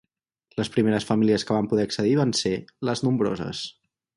Les primeres famílies que van poder accedir van ser, les nombroses.